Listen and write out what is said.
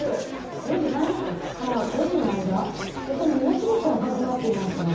４時３０分から５時の間ここものすごく赤くなっていますね。